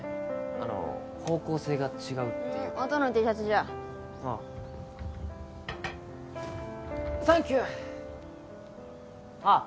あの方向性が違うっていうか音のＴシャツじゃああサンキューあっ